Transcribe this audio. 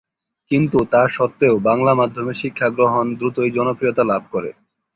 কিন্তু তা সত্ত্বেও বাঙলা মাধ্যমে শিক্ষা গ্রহণ দ্রুতই জনপ্রিয়তা লাভ করে।